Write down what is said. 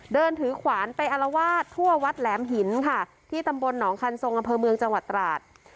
เดินถือขวานไปอารวาสทั่ววัดแหลมหินค่ะที่ตำบลหนองคันทรงอำเภอเมืองจังหวัดตราด